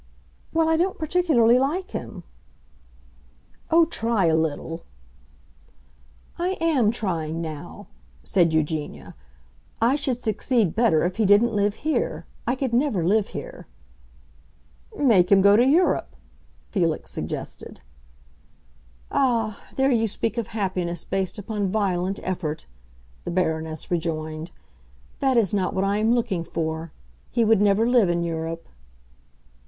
"Well, I don't particularly like him." "Oh, try a little." "I am trying now," said Eugenia. "I should succeed better if he didn't live here. I could never live here." "Make him go to Europe," Felix suggested. "Ah, there you speak of happiness based upon violent effort," the Baroness rejoined. "That is not what I am looking for. He would never live in Europe."